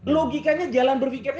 logikanya jalan berpikirnya